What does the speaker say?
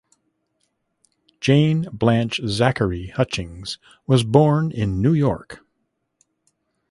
Jane Blanche Zacharie Hutchings was born in New York.